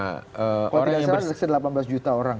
kalau tidak salah delapan belas juta orang